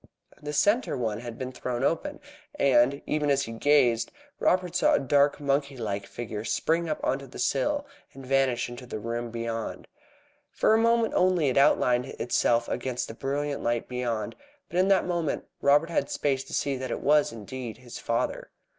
The centre one had been thrown open, and, even as he gazed, Robert saw a dark monkey like figure spring up on to the sill, and vanish into the room beyond. For a moment only it outlined itself against the brilliant light beyond, but in that moment Robert had space to see that it was indeed his father.